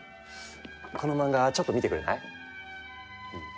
この漫画ちょっと見てくれない？